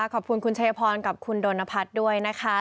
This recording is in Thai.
ขอบคุณคุณชัยพรกับคุณโดนนพัฒน์ด้วยนะคะ